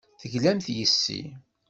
Teglamt yes-i.